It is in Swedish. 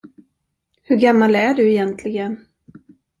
Hur gammal är du egentligen?